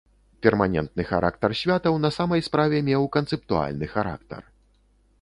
Перманентны характар святаў на самай справе меў канцэптуальны характар.